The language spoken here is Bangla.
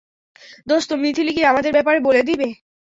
দোস্ত, মিথিলি কি আমাদের ব্যাপারে বলে দিবে?